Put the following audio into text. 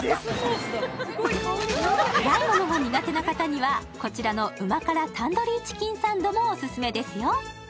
辛いものが苦手な方には、こちらの旨辛タンドリーチキンサンドもオススメですよ。